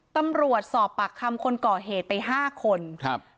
ตำรวจสอบปากคำคนก่อเหตุไปห้าคนครับ